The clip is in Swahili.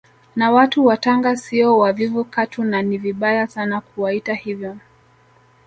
Na watu wa Tanga sio wavivu katu na ni vibaya sana kuwaita hivyo